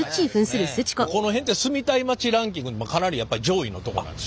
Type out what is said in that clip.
この辺って住みたい街ランキングでもかなり上位のとこなんです。